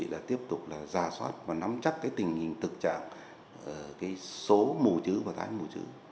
vì là tiếp tục là rà soát và nắm chắc cái tình hình thực trạng cái số mùa chữ và thái mùa chữ